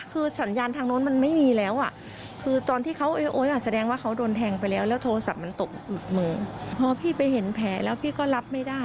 คือสัญญาณทางโน้นมันไม่มีแล้วอะ